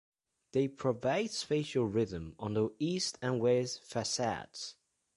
They provide spatial rhythm on the east and west facades.